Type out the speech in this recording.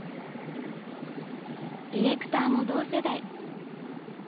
ディレクターも同世代。